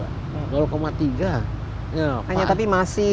ya tapi masih ada daerah daerah yang terpencil